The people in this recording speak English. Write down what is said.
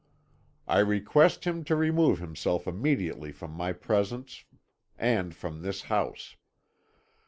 I request him to remove himself immediately from my presence and from this house.